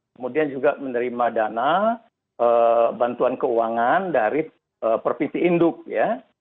kemudian juga menerima dana bantuan keuangan dari provinsi induk ya